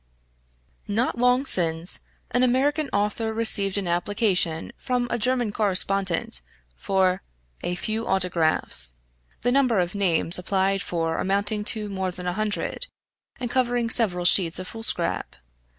[Not long since an American author received an application from a German correspondent for "a few Autographs" the number of names applied for amounting to more than a hundred, and covering several sheets of foolscap.